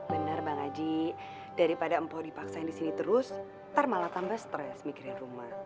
benar bang haji daripada empo dipaksain di sini terus ntar malah tambah stres mikirin rumah